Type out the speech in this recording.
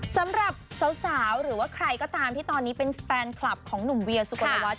สำหรับสาวหรือว่าใครก็ตามที่ตอนนี้เป็นแฟนคลับของหนุ่มเวียสุกลวัฒ